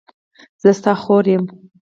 زه ستا خور یم.